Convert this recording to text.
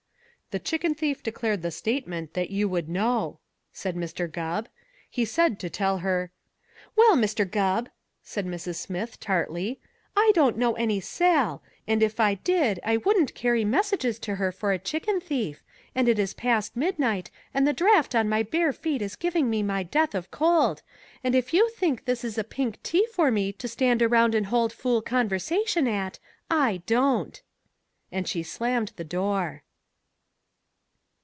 "The chicken thief declared the statement that you would know," said Mr. Gubb. "He said to tell her " "Well, Mr. Gubb," said Mrs. Smith tartly, "I don't know any Sal, and if I did I wouldn't carry messages to her for a chicken thief, and it is past midnight, and the draught on my bare feet is giving me my death of cold, and if you think this is a pink tea for me to stand around and hold fool conversation at, I don't!" And she slammed the door.